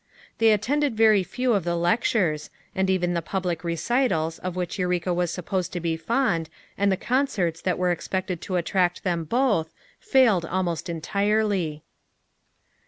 They attended very few of the lectures, and even the public recitals of which Eureka was supposed to bo fond and the concerts that were expected to attract them both, failed almost entirely.